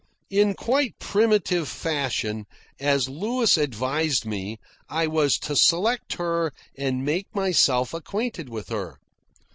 In quite primitive fashion, as Louis advised me, I was to select her and make myself acquainted with her.